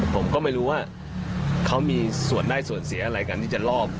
ผมก็ไม่รู้ว่าเขามีส่วนได้ส่วนเสียอะไรกันที่จะลอบ